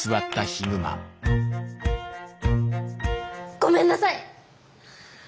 ごめんなさい！